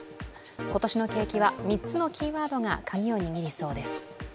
今年の景気は３つのキーワードがカギを握りそうです。